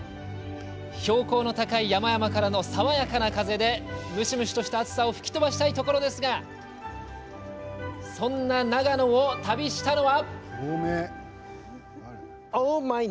標高の高い山々からの爽やかな風でむしむしとした暑さを吹き飛ばしたいところですがそんな長野を旅したのは。